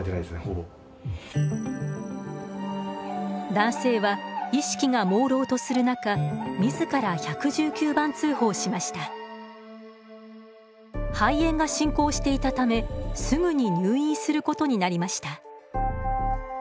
男性は意識がもうろうとする中肺炎が進行していたためすぐに入院することになりました。